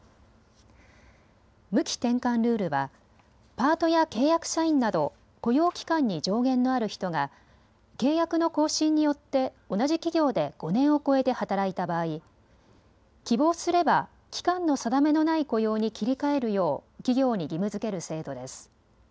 無期転換ルールはパートや契約社員など雇用期間に上限のある人が契約の更新によって同じ企業で５年を超えて働いた場合、希望すれば期間の定めのない雇用に切り替えるよう企業に義務づける制度です。